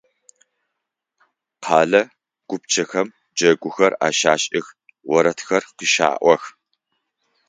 Къэлэ гупчэхэм джэгухэр ащашӏых, орэдхэр къыщаӏох.